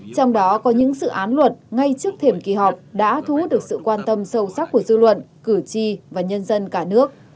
trong đó có những dự án luật ngay trước thềm kỳ họp đã thu hút được sự quan tâm sâu sắc của dư luận cử tri và nhân dân cả nước